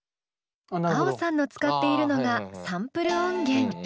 ａｏさんの使っているのがサンプル音源。